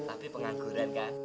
tapi pengangguran kan